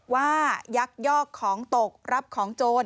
ยักยอกของตกรับของโจร